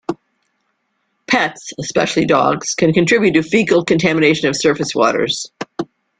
Pets, especially dogs, can contribute to fecal contamination of surface waters.